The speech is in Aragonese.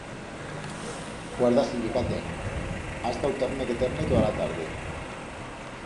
Guarda si ye catén! Ha estau terne que terne toda la tarde.